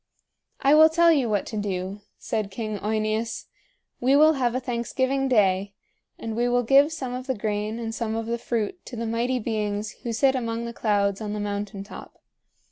"I will tell you what to do," said King OEneus. "We will have a thanksgiving day, and we will give some of the grain and some of the fruit to the Mighty Beings who sit among the clouds on the mountain top.